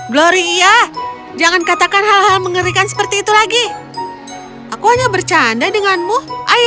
gloria jangan katakan hal hal mengerikan seperti itu lagi aku hanya bercanda denganmu ayo